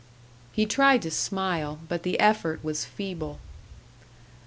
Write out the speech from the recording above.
He tried to smile, but the effort was feeble.